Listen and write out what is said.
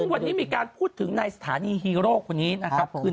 เพราะวันนี้มีการพูดถึงนายสถานีฮีโรคนี้ก็คือ